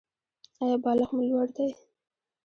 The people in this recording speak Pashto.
ایا بالښت مو لوړ دی؟